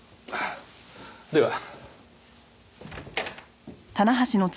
では。